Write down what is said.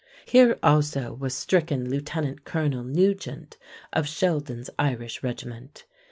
Here also was stricken Lieutenant Colonel Nugent of Sheldon's Irish Regiment.